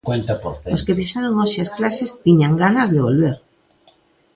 Os que pisaron hoxe as clases tiñan ganas de volver.